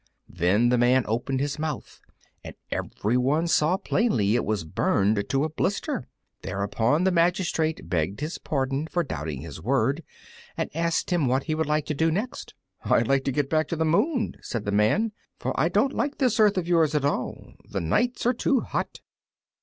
Then the Man opened his mouth, and everyone saw plainly it was burned to a blister! Thereupon the magistrate begged his pardon for doubting his word, and asked him what he would like to do next. "I'd like to get back to the Moon," said the Man, "for I don't like this earth of yours at all. The nights are too hot."